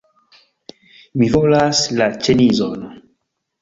Mi volas la ĉemizon